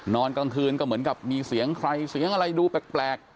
นอนกลางคืนก็เหมือนกับมีเสียงใครเสียงอะไรดูแปลก